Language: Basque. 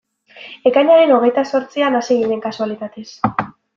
Ekainaren hogeita zortzian hasi ginen, kasualitatez.